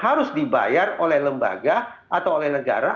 harus dibayar oleh lembaga atau oleh negara